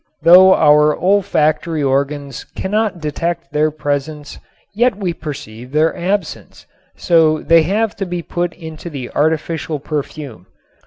Though our olfactory organs cannot detect their presence yet we perceive their absence so they have to be put into the artificial perfume.